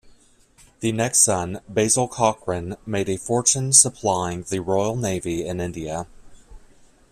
The next son, Basil Cochrane, made a fortune supplying the Royal Navy in India.